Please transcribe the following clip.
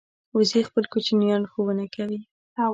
وزې خپل کوچنیان ښوونه کوي